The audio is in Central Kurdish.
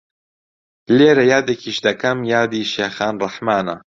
لێرە یادێکیش دەکەم یادی شێخان ڕەحمانە